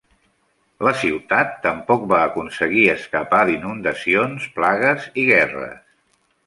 La ciutat tampoc va aconseguir escapar d'inundacions, plagues i guerres.